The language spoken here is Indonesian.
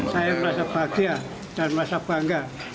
saya merasa bahagia dan merasa bangga